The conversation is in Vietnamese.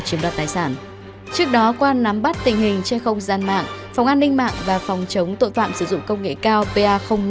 trước đó quan nắm bắt tình hình trên không gian mạng phòng an ninh mạng và phòng chống tội phạm sử dụng công nghệ cao pa năm